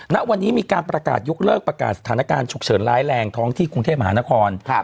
ณวันนี้มีการประกาศยกเลิกประกาศสถานการณ์ฉุกเฉินร้ายแรงท้องที่กรุงเทพมหานคร